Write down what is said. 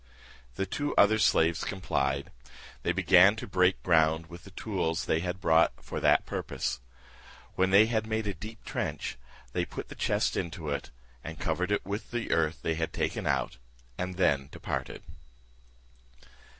The two other slaves complied. They began to break ground with the tools they had brought for that purpose. When they had made a deep trench, they put the chest into it, and covered it with the earth they had taken out, and then departed.